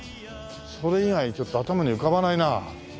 それ以外ちょっと頭に浮かばないな。